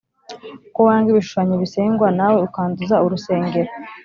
Ko wanga ibishushanyo bisengwa, nawe ukanduza urusengero?